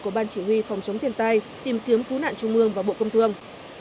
của ban chỉ huy phòng chống thiên tai tìm kiếm cứu nạn trung ương và bộ công thương